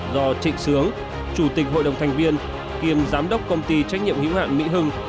do trịnh sướng chủ tịch hội đồng thành viên kiêm giám đốc công ty trách nhiệm hữu hạn mỹ hưng